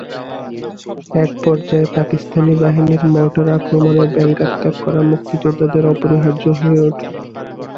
একপর্যায়ে পাকিস্তানি বাহিনীর মর্টার আক্রমণে বাংকার ত্যাগ করা মুক্তিযোদ্ধাদের অপরিহার্য হয়ে ওঠে।